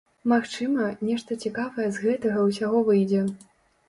Магчыма, нешта цікавае з гэтага ўсяго выйдзе.